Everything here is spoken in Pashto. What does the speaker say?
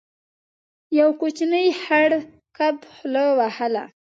يو کوچنی خړ کب خوله وهله.